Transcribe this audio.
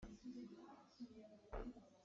A hmai ah phihlik ek a um.